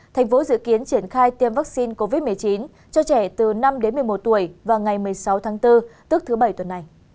thành phố dự kiến triển khai tiêm vaccine covid một mươi chín cho trẻ từ năm đến một mươi một tuổi vào ngày một mươi sáu tháng bốn tức thứ bảy tuần này